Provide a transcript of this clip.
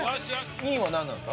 ２位はなんなんですか？